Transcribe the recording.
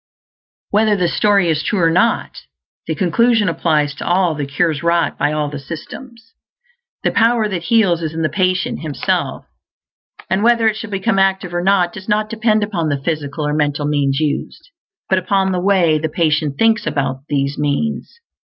Whether the story is true or not, the conclusion applies to all the cures wrought by all the systems. The Power that Heals is in the patient himself; and whether it shall become active or not does not depend upon the physical or mental means used, but upon the way the patient thinks about these means.